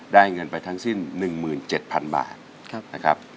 เงินไปทั้งสิ้น๑๗๐๐๐บาทนะครับ